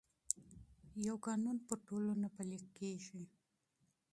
یو قانون پر ټولو نه پلي کېږي.